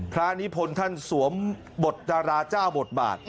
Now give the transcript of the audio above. นิพนธ์ท่านสวมบทดาราเจ้าบทบาท